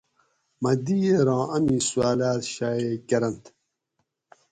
مۤہ دِگیراں امی سوالات شائع کۤرنت